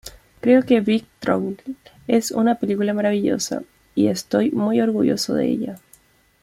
Creo que Big Trouble es una película maravillosa, y estoy muy orgulloso de ella.